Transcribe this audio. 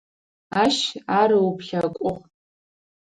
Ащ ар ыуплъэкӏугъ.